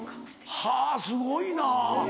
はぁすごいな。